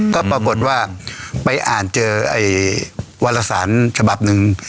ก็ปรากฏว่าไปอ่านเจอไอ้วารสารฉบับหนึ่ง